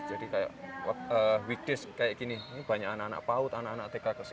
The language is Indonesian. jadi seperti widis kayak gini ini banyak anak anak paut anak anak tkk